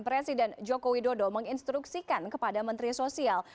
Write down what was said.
presiden joko widodo menginstruksikan kepada menteri sosial